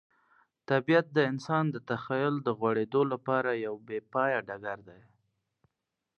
طبیعت د انسان د تخیل د غوړېدو لپاره یو بې پایه ډګر دی.